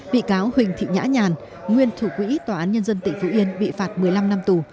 bị cáo huỳnh thị nhã nhàn nguyên thủ quỹ tòa án nhân dân tỉnh phú yên bị phạt một mươi năm năm tù